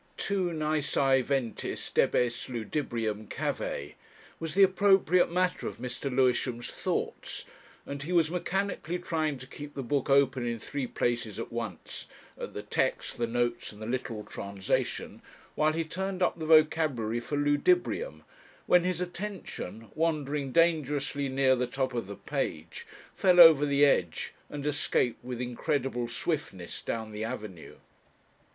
"Tu, nisi ventis Debes ludibrium, cave." was the appropriate matter of Mr. Lewisham's thoughts, and he was mechanically trying to keep the book open in three places at once, at the text, the notes, and the literal translation, while he turned up the vocabulary for ludibrium, when his attention, wandering dangerously near the top of the page, fell over the edge and escaped with incredible swiftness down the avenue....